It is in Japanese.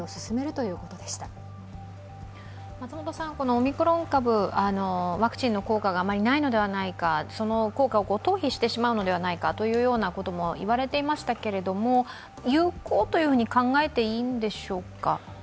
オミクロン株、ワクチンの効果があまりないのではないか、その効果を逃避してしまうのではないかといわれていましたけれども、有効というふうに考えていいんでしょうか。